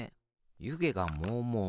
ゆげがもうもう。